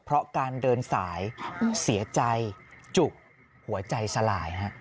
เพราะการเดินสายเสียใจจุกหัวใจสลาย